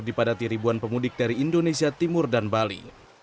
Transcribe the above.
dipadati ribuan pemudik dari indonesia timur dan bali